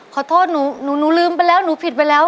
ขอโทษหนูหนูลืมไปแล้วหนูผิดไปแล้ว